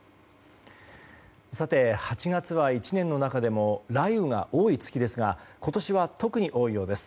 さて、８月は１年の中でも雷雨が多い月ですが今年は特に多いようです。